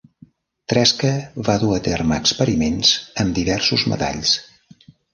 Tresca va dur a terme experiments amb diversos metalls.